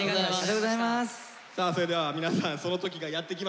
さあそれでは皆さんその時がやって来ました。